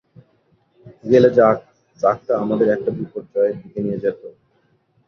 গেলে যাক, ট্রাকটা আমাদের একটা বিপর্যয়ের দিকে নিয়ে যেত।